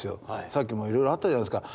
さっきもいろいろあったじゃないですか。